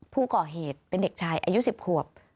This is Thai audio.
ผู้ก่อเหตุเป็นเด็กชายอายุ๑๐ขวบ